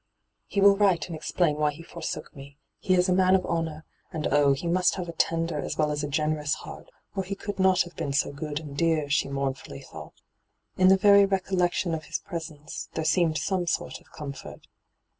' He will write and explain why he forsook me. He is a man of honour ; and oh, he must have a tender as well as a generous heart, or he could not have been so good and dear,' she mournfully thought In the very recollection of his presence there seemed some sort of comfort.